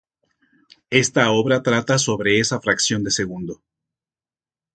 Esta obra trata sobre esa fracción de segundo.